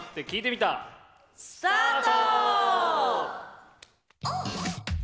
スタート！